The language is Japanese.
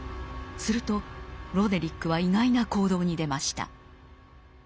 するとロデリックは意外な行動に出ました。